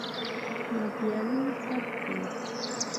له پيالو تپ خوت.